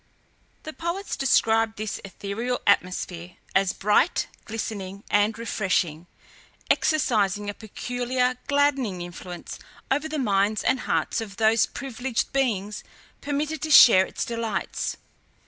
The poets describe this ethereal atmosphere as bright, glistening, and refreshing, exercising a peculiar, gladdening influence over the minds and hearts of those privileged beings permitted to share its delights.